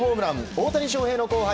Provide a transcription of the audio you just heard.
大谷翔平の後輩